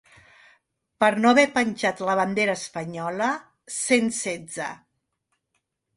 Per no haver penjat la bandera espanyola, cent setze.